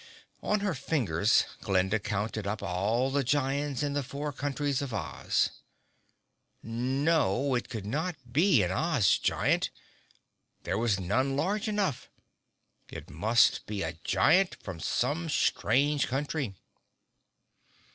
On her fingers Glinda counted up all the giants in the four countries of Oz. No! It could not be an Oz giant; there was none large enough. It must be a giant from some strange country.